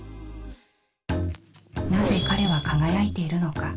なぜ彼は輝いているのか？